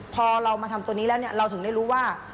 พอเรามาทำตัวนี้แล้วเราถึงได้รู้ว่า